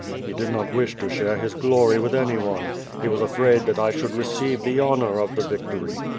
He did not wish to share his glory with anyone. He was afraid that I should receive the honor of the victory."